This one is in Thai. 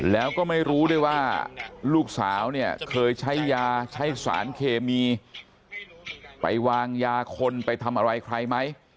แล้วก็ไม่รู้ด้วยว่าลูกสาวเนี่ยเคยใช้ยาใช้สารเคมีไปวางยาคนไปทำอะไรใครไหม